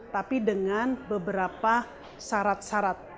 tapi dengan beberapa syarat syarat